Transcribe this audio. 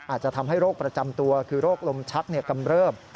อาจจะทำให้โรคประจำตัวคือโรคลมชักกำเริบ